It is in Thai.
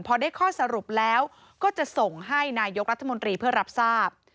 พอได้ข้อสรุปแล้วก็จะส่งให้นายกรัฐมนตรีเพื่อรับทราบ